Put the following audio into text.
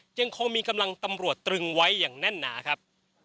ยังคงมีกำลังตำรวจตรึงไว้อย่างแน่นหนาครับ